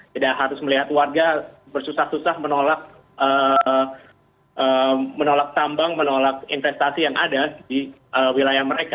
tidak harus melihat warga bersusah susah menolak tambang menolak investasi yang ada di wilayah mereka